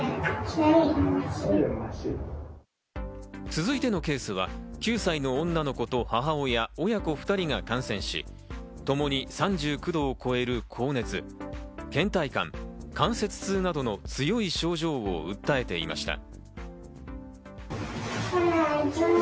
続いてのケースは９歳の女の子と母親、親子２人が感染し、ともに３９度を超える高熱、倦怠感、関節痛などの強い症状を訴えていました。